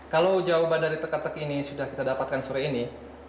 kalau jawaban dari teka teki ini sudah kita dapatkan sore ini